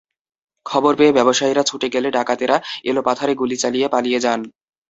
খবর পেয়ে ব্যবসায়ীরা ছুটে গেলে ডাকাতেরা এলোপাথারি গুলি চালিয়ে পালিয়ে যান।